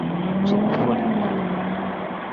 祖父李毅。